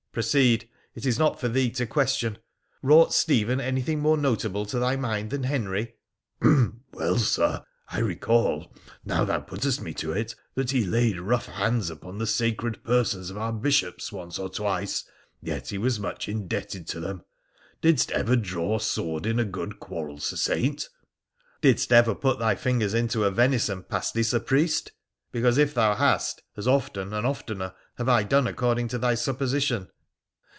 ' Proceed ! It is not for thee to question. Wrought gtephen anything more notable to thy mind than Henry ?' 122 WONDERFUL ADVENTURES OF ' Well, Sir, I recall, now thou puttest me to it, that he laid rough hands upon the sacred persons of our Bishops once or twice, yet he was much indebted to them. Didst ever draw sword in a good quarrel, Sir Saint ?' 'Didst every put thy fingers into a venison pastie, Sir Priest ? Because, if thou hast, as often, and oftener, have I done according to thy supposition.'